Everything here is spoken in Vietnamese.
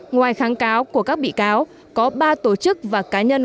ngoài kháng cáo của các bị cáo có ba tổ chức và cá nhân